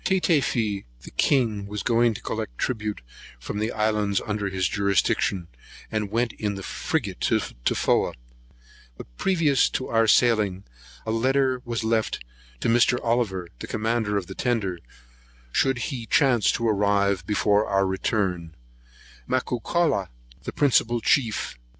Tatafee[135 1] the king was going to collect tribute from the islands under his jurisdiction, and went in the frigate to Tofoa; but previous to our sailing, a letter was left to Mr. Oliver, the commander of the tender, should he chance to arrive before our return, with Macaucala, a principal chief.